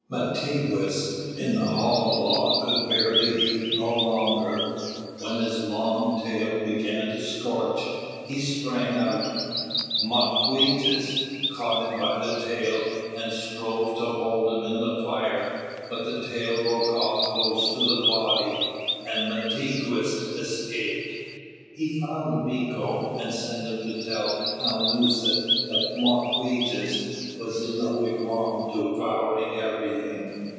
Mātigwess in the hollow log could bear the heat no longer. When his long tail began to scorch, he sprang out. Mawquejess caught him by the tail, and strove to hold him in the fire; but the tail broke off close to the body, and Mātigwess escaped. He found Mīko, and sent him to tell Alnūset that Mawquejess was in the wigwam devouring everything.